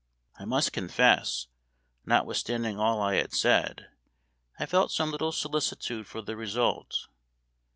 I must confess, notwithstanding all I had said, I felt some little solicitude for the result.